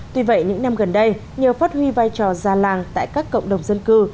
tuy vậy những năm gần đây nhờ phát huy vai trò ra làng tại các cộng đồng dân cư